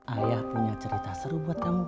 ayah punya cerita seru buat kamu